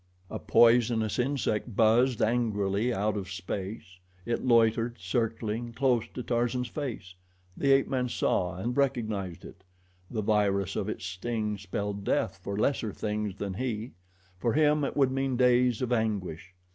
A poisonous insect buzzed angrily out of space. It loitered, circling, close to Tarzan's face. The ape man saw and recognized it. The virus of its sting spelled death for lesser things than he for him it would mean days of anguish.